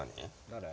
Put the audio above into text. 誰？